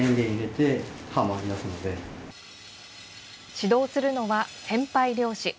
指導するのは先輩猟師。